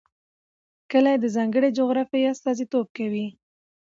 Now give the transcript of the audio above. کلي د ځانګړې جغرافیې استازیتوب کوي.